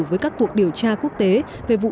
với các cuộc điều tra quốc tế về vụ